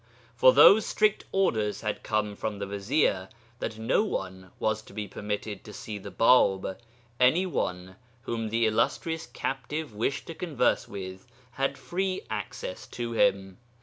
For though strict orders had come from the vizier that no one was to be permitted to see the Bāb, any one whom the illustrious captive wished to converse with had free access to him.